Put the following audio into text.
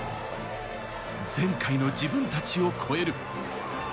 前回の自分たちを超える。